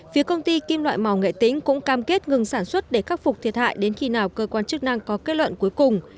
phía công ty kim loại màu nghệ tĩnh cũng cam kết ngừng sản xuất để khắc phục thiệt hại đến khi nào cơ quan chức năng có kết luận cuối cùng